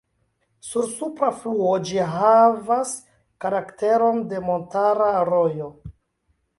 Sur supra fluo ĝi havas karakteron de montara rojo.